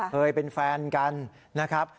เคยเป็นแฟนกันนะครับ